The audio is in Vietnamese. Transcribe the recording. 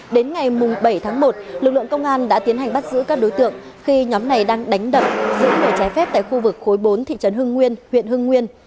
đến ngày bảy tháng một lực lượng công an đã tiến hành bắt giữ các đối tượng khi nhóm này đang đánh đập giữ người trái phép tại khu vực khối bốn thị trấn hưng nguyên huyện hưng nguyên